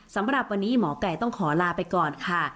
สำหรับวันนี้หมอไก่ต้องขอลาไปก่อนค่ะ